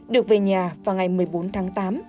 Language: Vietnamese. được về nhà vào ngày một mươi bốn tháng tám